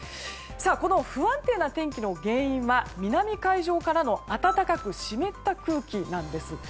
この不安定な天気の原因は南海上からの暖かく湿った空気なんです。